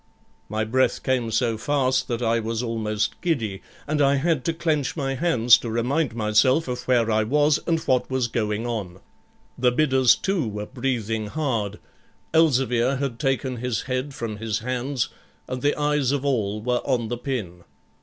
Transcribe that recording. My breath came so fast that I was almost giddy, and I had to clench my hands to remind myself of where I was, and what was going on. The bidders too were breathing hard, Elzevir had taken his head from his hands, and the eyes of all were on the pin.